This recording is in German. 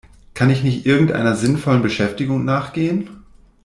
Kann ich nicht irgendeiner sinnvollen Beschäftigung nachgehen?